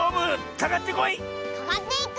かかっていく！